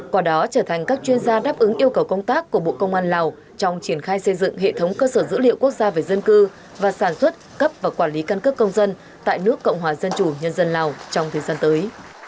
quả đó trở thành các chuyên gia đáp ứng yêu cầu công tác của bộ công an lào trong triển khai xây dựng hệ thống cơ sở dữ liệu quốc gia về dân cư và sản xuất cấp và quản lý căn cước công dân tại nước cộng hòa dân chủ nhân dân lào trong thời gian tới